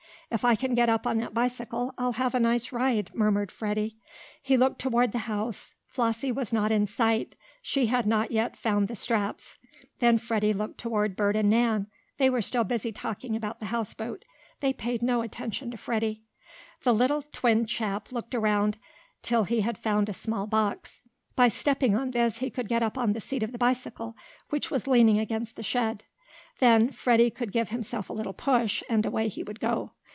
"If I can get up on that bicycle, I'll have a nice ride," murmured Freddie. He looked toward the house. Flossie was not in sight. She had not yet found the straps. Then Freddie looked toward Bert and Nan. They were still busy talking about the houseboat. They paid no attention to Freddie. The little twin chap looked around until he had found a small box. By stepping on this he could get up on the seat of the bicycle, which was leaning against the shed. Then Freddie could give himself a little push, and away he would go.